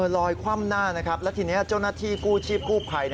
คว่ำหน้านะครับและทีนี้เจ้าหน้าที่กู้ชีพกู้ภัย